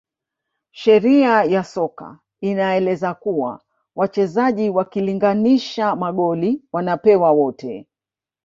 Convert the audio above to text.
sheria ya soka inaeleza kuwa wachezaji wakilinganisha magoli wanapewa wote